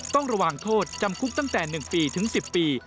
ต้องระวังโทษจำคุกตั้งแต่๑ปีถึง๑๐ปี